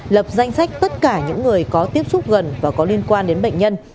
lập danh sách tất cả những người có tiếp xúc gần và có liên quan đến bệnh nhân